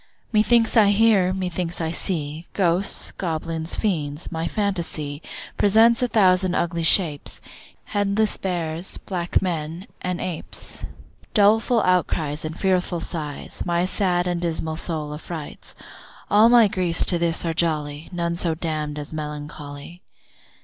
Methinks I hear, methinks I see Ghosts, goblins, fiends; my phantasy Presents a thousand ugly shapes, Headless bears, black men, and apes, Doleful outcries, and fearful sights, My sad and dismal soul affrights. All my griefs to this are jolly, None so damn'd as melancholy.